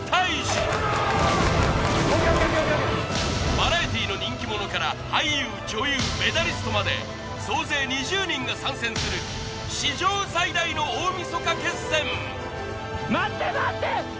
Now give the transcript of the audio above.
バラエティーの人気者から俳優女優メダリストまで総勢２０人が参戦する史上最大の大みそか決戦待って待って来た後ろから来た